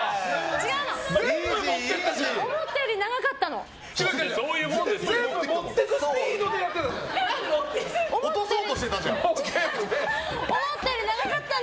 違うの思ったより長かったの！